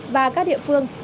và các địa phương